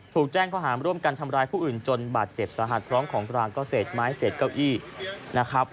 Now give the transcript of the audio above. ถูกแจ้งข้อหาร่วมกันทำร้ายผู้อื่นจนบาดเจ็บสาหัสพร้อมของกลางก็เศษไม้เศษเก้าอี้นะครับ